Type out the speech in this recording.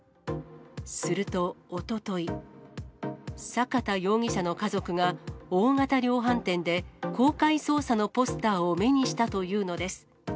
すると、おととい、坂田容疑者の家族が、大型量販店で公開捜査のポスターを目にしたというのです。